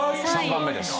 ３番目です。